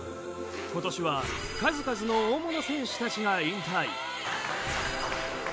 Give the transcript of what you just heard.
今年は数々の大物選手たちが引退。